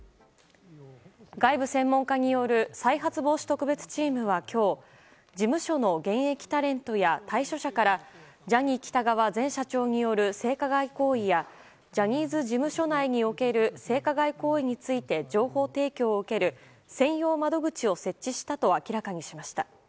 外部専門家による再発防止特別チームは今日、事務所の現役タレントや退所者からジャニー喜多川前社長による性加害行為やジャニーズ事務所内における性加害行為について情報提供を受ける専用窓口を設置したと明らかにしました。